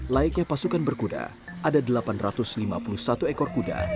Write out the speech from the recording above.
layaknya pasukan berkuda ada delapan ratus lima puluh satu ekor kuda